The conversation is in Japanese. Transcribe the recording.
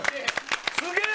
すげえ！